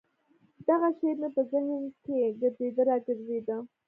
دغه شعر مې په ذهن کښې ګرځېده راګرځېده.